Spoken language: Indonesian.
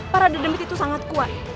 para dedemit itu sangat kuat